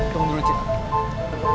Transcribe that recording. tunggu dulu cita